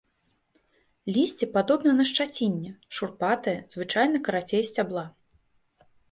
Лісце падобна на шчацінне, шурпатае, звычайна карацей сцябла.